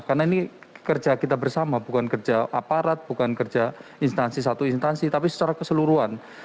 karena ini kerja kita bersama bukan kerja aparat bukan kerja instansi satu instansi tapi secara keseluruhan